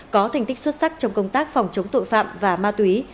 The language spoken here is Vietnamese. có thành tích xuất sắc trong công tác phòng chống tội phạm và ma túy